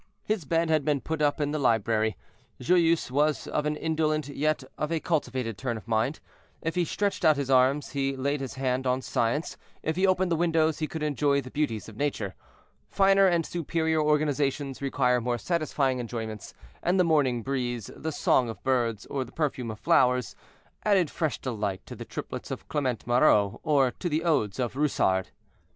His bed had been put up in the library. Joyeuse was of an indolent, yet of a cultivated turn of mind. If he stretched out his arm he laid his hand on science; if he opened the windows he could enjoy the beauties of nature. Finer and superior organizations require more satisfying enjoyments; and the morning breeze, the song of birds, or the perfumes of flowers, added fresh delight to the triplets of Clement Marot, or to the odes of Rousard.